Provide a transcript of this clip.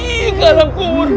ih kalah kubur